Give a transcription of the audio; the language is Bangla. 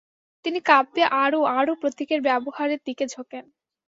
তিনি কাব্যে আরও আরও প্রতীকের ব্যবহারের দিকে ঝোঁকেন।